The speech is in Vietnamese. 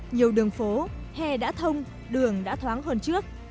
nhiều đường phố hè đã thông đường đã thoáng hơn trước